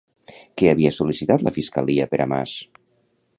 Què havia sol·licitat la fiscalia per a Mas?